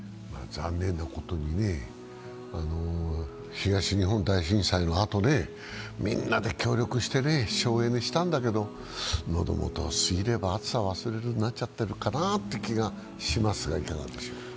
残念なことに東日本大震災のあとみんなで協力して省エネしたんだけど、喉元を過ぎれば熱さ忘れるになっちゃってるかなと言う気がしますがいかがですか？